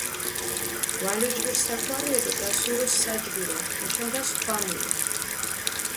გვალო ჯგირ საქვარიე დო დასურო საჯგირო, მუშენ-და სქვამიე.